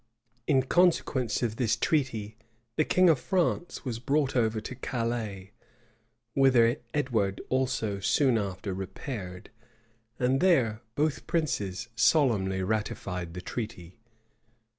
In consequence of this treaty, the king of France was brought over to Calais; whither Edward also soon after repaired; and there both princes solemnly ratified the treaty.